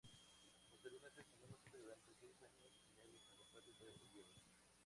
Posteriormente estudió música durante seis años en el conservatorio de Oviedo.